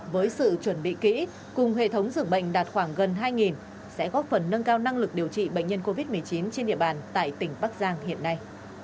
với sự chuẩn bị kỹ cùng hệ thống dường bệnh đạt khoảng gần hai sẽ góp phần nâng cao năng lực điều trị bệnh nhân covid một mươi chín trên địa bàn tại tỉnh bắc giang hiện nay